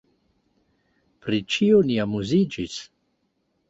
Pri ĉio ni amuziĝis.